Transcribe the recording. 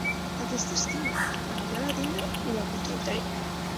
Aquesta sí m'agrada, aniré a la tenda i la contractaré.